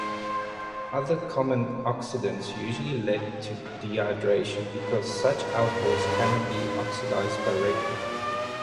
Other common oxidants usually lead to dehydration because such alcohols cannot be oxidized directly.